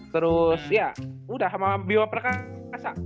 terus ya udah sama bio perkasa